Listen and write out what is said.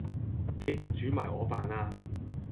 記得煮埋我飯呀